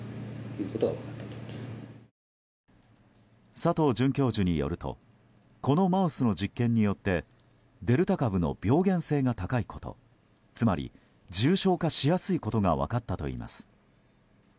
佐藤准教授によるとこのマウスの実験によってデルタ株の病原性が高いことつまり重症化しやすいことが分かったといいます。